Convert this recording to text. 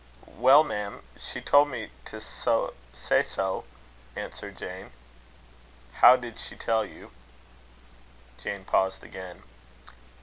"Well, ma'am, she told me to say so," answered Jane. "How did she tell you?" Jane paused again.